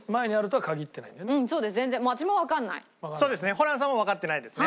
ホランさんもわかってないですね。